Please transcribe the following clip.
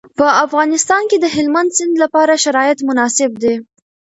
په افغانستان کې د هلمند سیند لپاره شرایط مناسب دي.